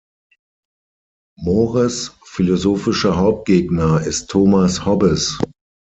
Mores philosophischer Hauptgegner ist Thomas Hobbes.